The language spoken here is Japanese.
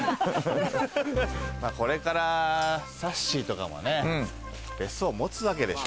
これから、さっしーとかもね、別荘、持つわけでしょ。